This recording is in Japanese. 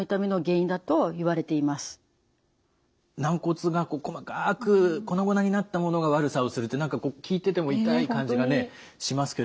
軟骨が細かく粉々になったものが悪さをするって何か聞いてても痛い感じがしますけれども。